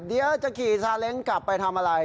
เดี๋ยวจะขี่ซาเล้งกลับไปทำอะไร